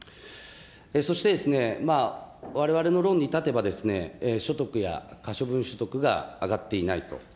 そしてですね、われわれの論に立てば所得や可処分所得が上がっていないと。